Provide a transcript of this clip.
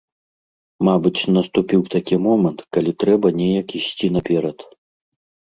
Мабыць, наступіў такі момант, калі трэба неяк ісці наперад.